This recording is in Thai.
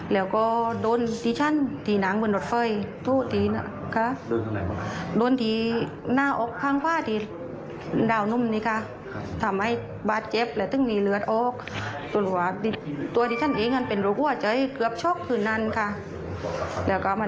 และก็คงคงมันจะหัวข้ามช่วยเหลือดุเก็บนะ